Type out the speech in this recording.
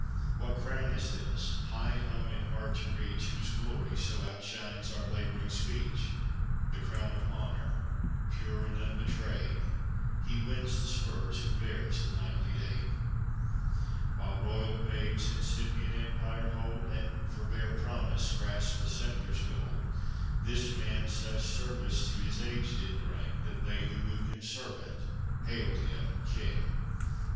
What crown is this, high hung and hard to reach, Whose glory so outshines our laboring speech? The crown of Honor, pure and unbetrayed; He wins the spurs who bears the knightly aid. While royal babes incipient empire hold, And, for bare promise, grasp the sceptre's gold, This man such service to his age did bring That they who knew him servant, hailed him king.